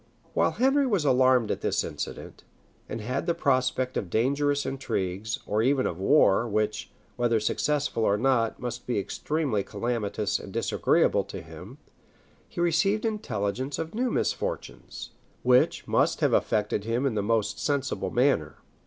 While Henry was alarmed at this incident, and had the prospect of dangerous intrigues, or even of a war, which, whether successful or not, must be extremely calamitous and disagreeable to him, he received intelligence of new misfortunes, which must have affected him in the most sensible manner.